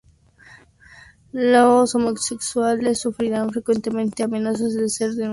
Los homosexuales sufrían frecuentemente amenazas de ser denunciados.